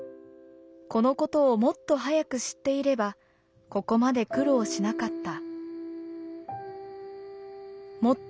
この事をもっと早く知っていればここまで苦労しなかった」。